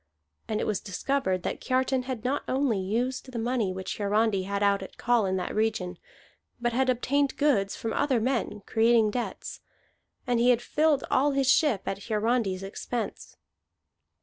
And it was discovered that Kiartan had not only used the money which Hiarandi had out at call in that region, but had obtained goods from other men creating debts. And he had filled all his ship at Hiarandi's expense.